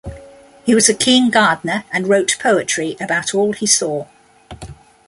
He was a keen gardener and wrote poetry about all he saw.